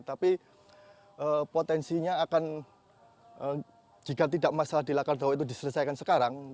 tapi potensinya akan jika tidak masalah di lakar dau itu diselesaikan sekarang